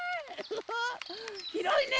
ひろいね！